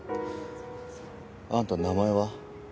あんた名前は？